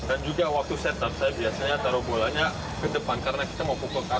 dan juga waktu set up saya biasanya taruh bolanya ke depan karena kita mau pukul ke atas